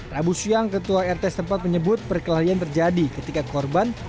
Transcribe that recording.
rabu siang ketua rt setempat menyebut perkelahian terjadi ketika korban